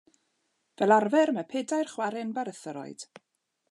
Fel arfer mae pedair chwarren barathyroid.